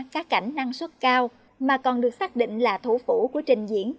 cá cảnh năng suất cao mà còn được xác định là thủ phủ của trình diễn